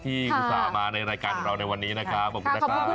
ที่อุตส่าห์มาในรายการของเราในวันนี้นะครับขอบคุณคุณแม่มากเลย